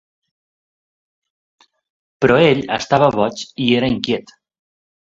Però ell estava boig i era inquiet.